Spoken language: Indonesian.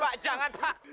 pak jangan pak